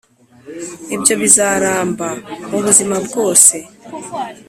ibyo bizaramba mubuzima bwose.